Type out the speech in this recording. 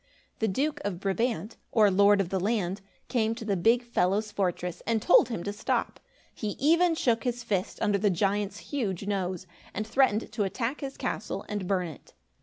The Duke of Brabant, or Lord of the land, came to the big fellow's fortress and told him to stop. He even shook his fist under the giant's huge nose, and threatened to attack his castle and burn it.